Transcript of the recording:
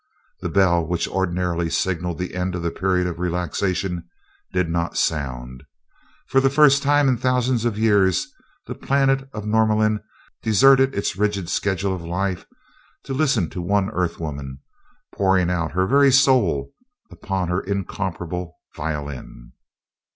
The bell which ordinarily signaled the end of the period of relaxation did not sound; for the first time in thousands of years the planet of Norlamin deserted its rigid schedule of life to listen to one Earth woman, pouring out her very soul upon her incomparable violin.